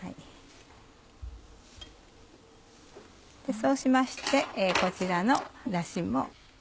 そうしましてこちらのだしも。